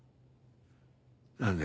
何で？